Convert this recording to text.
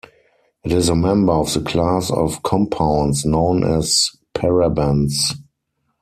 It is a member of the class of compounds known as parabens.